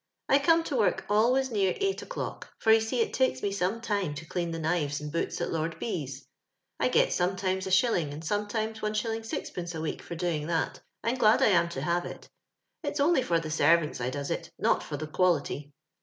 I come to work always near eight o'clock, for you see it takes me some time to clean the knives and boots at Lord B 's. I get sometimes Is, and sometimes Is. Qd, a week for doing that, and glad I am to have it It's only for the servants I does it, not for the quality.